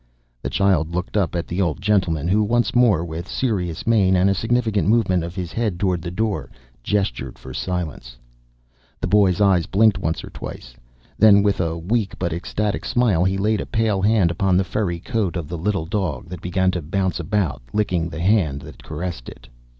The child looked up at the old gentleman who once more, with serious mien and a significant movement of his head toward the door, gestured for silence. The boy's eyes blinked once or twice; then with a weak but ecstatic smile he laid a pale hand upon the furry coat of the little dog that began to bounce about, licking the hand that caressed it.